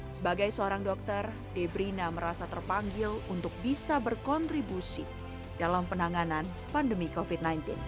sebagai seorang dokter debrina merasa terpanggil untuk bisa berkontribusi dalam penanganan pandemi covid sembilan belas